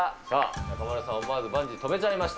中丸さん、思わずバンジー飛べちゃいました。